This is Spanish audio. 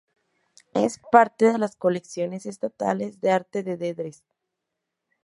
Es parte de las Colecciones Estatales de Arte de Dresde.